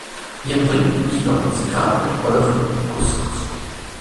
Ihr bringt mich noch ins Grab mit eurem Couscous.